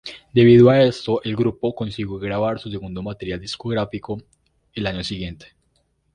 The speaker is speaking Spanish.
Debido a esto, el grupo consiguió grabar su segundo material discográfico al año siguiente.